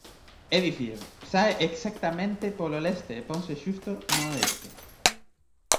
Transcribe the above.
É dicir, sae "exactamente polo leste e ponse xusto no oeste".